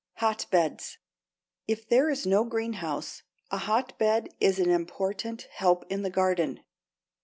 =Hotbeds.= If there is no greenhouse, a hotbed is an important help in the garden.